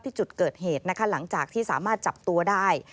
จุดเกิดเหตุนะคะหลังจากที่สามารถจับตัวได้